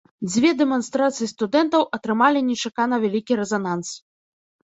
Дзве дэманстрацыі студэнтаў атрымалі нечакана вялікі рэзананс.